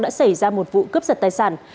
đã xảy ra một vụ cướp giật tài sản